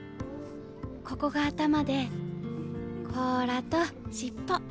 ここが頭で甲羅と尻尾。